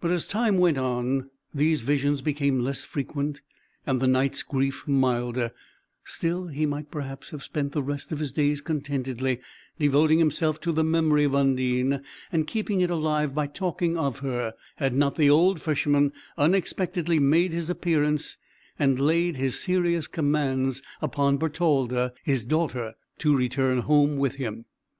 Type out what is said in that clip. But as time went on these visions became less frequent, and the Knight's grief milder; still he might perhaps have spent the rest of his days contentedly, devoting himself to the memory of Undine, and keeping it alive by talking of her, had not the old Fisherman unexpectedly made his appearance, and laid his serious commands upon Bertalda, his daughter, to return home with him.